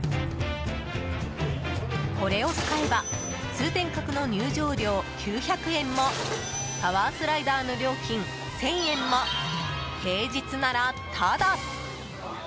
これを使えば通天閣の入場料９００円もタワースライダーの料金１０００円も平日ならタダ！